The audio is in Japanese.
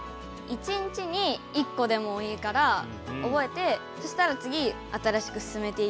１日に１こでもいいからおぼえてそしたらつぎ新しくすすめていって。